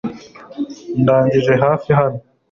Ndangije hafi hano .